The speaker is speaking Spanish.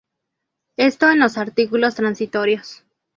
Esto en los artículos transitorios.